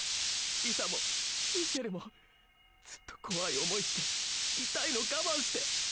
リタもミシェルもずっと怖い思いして痛いの我慢して。